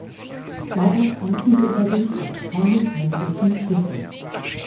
Dabei trafen sie allerdings auf keine feindlichen Schiffe.